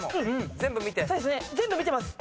全部見てます。